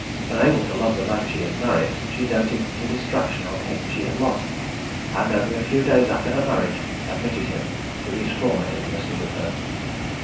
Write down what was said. Unable to love the man she had married, she doted to distraction on him she had lost, and, only a few days after her marriage, admitted him to his former intimacy with her.